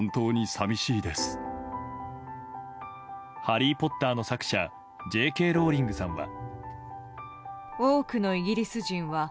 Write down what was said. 「ハリー・ポッター」の作者Ｊ・Ｋ・ローリングさんは。